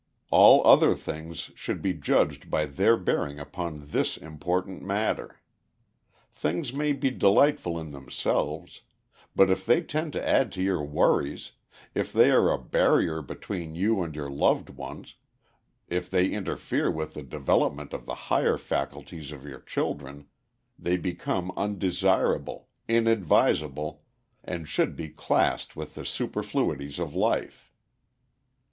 All other things should be judged by their bearing upon this important matter. Things may be delightful in themselves; but if they tend to add to your worries, if they are a barrier between you and your loved ones, if they interfere with the development of the higher faculties of your children, they become undesirable, inadvisable, and should be classed with the superfluities of life.